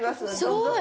すごーい。